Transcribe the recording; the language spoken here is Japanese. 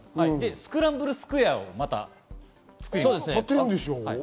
スクランブルスクエアをまたつくります。